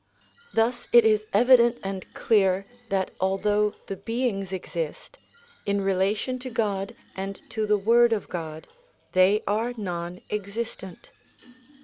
Thus it is evident and clear that although the beings exist, in relation to God and to the Word of God they are non existent.